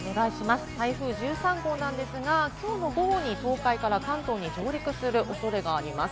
台風１３号なんですが、きょうの午後に東海から関東に上陸する恐れがあります。